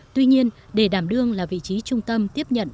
tuy nhiên để đảm đương là vị trí trung tâm tiếp nhận